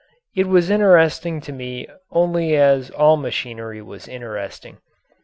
It was interesting to me only as all machinery was interesting.